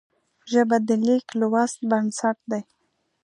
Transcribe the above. ژبه د لیک لوست بنسټ ده